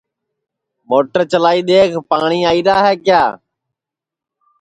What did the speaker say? موٹر چلائی دؔیکھ پاٹؔی آئیرا ہے کیا